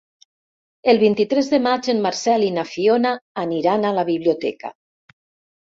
El vint-i-tres de maig en Marcel i na Fiona aniran a la biblioteca.